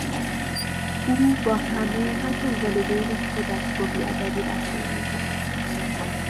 او با همه حتی والدین خودش با بیادبی رفتار میکرد.